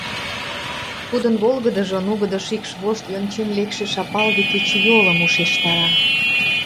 Тудын волгыдыжо нугыдо шикш вошт йончен лекше шапалге кечыйолым ушештара.